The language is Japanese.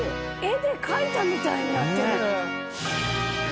絵で描いたみたいになってる。